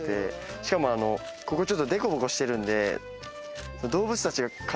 しかもここちょっとデコボコしてるんで。